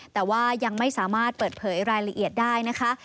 แต่ว่ายังไม่สามารถเปิดเผยรายละเอียดได้นะคะ